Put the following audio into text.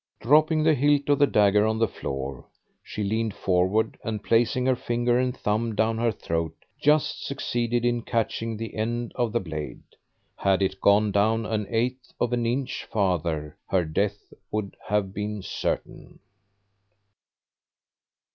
Dropping the hilt of the dagger on the floor, she leaned forward, and placing her finger and thumb down her throat, just succeeded in catching the end of the blade. Had it gone down an eighth of an inch farther her death would have been certain.